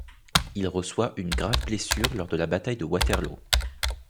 Il reçoit une grave blessure lors de la bataille de Waterloo.